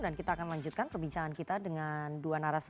dan kita akan lanjutkan perbincangan kita dengan dua narasimu